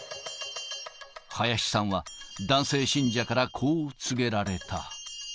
林さんは、男性信者からこう告げられた。